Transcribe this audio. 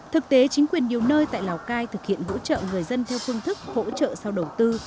thực tế chính quyền nhiều nơi tại lào cai thực hiện hỗ trợ người dân theo phương thức hỗ trợ sau đầu tư